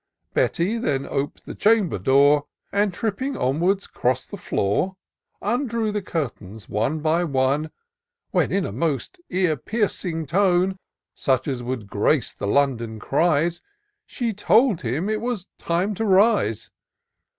Betty then op'd the chamber door. And tripping onwards 'cross the floor. Undrew the curtains, one by one; When, in a most ear piercing tone. Such as would grace the London cries. She told him it was time to rise.